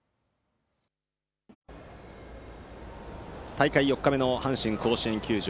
大会４日目の阪神甲子園球場。